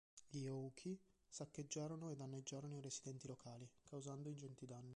Gli Ōuchi saccheggiarono e danneggiarono i residenti locali, causando ingenti danni.